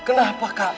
kenapa kau menangis